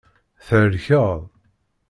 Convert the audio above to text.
Thelkeḍ.